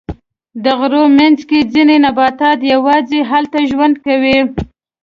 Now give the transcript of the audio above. د غرونو منځ کې ځینې نباتات یواځې هلته ژوند کوي.